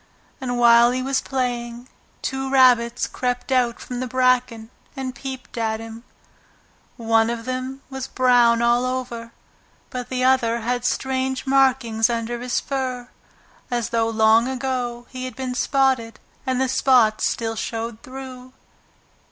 And while he was playing, two rabbits crept out from the bracken and peeped at him. One of them was brown all over, but the other had strange markings under his fur, as though long ago he had been spotted, and the spots still showed through.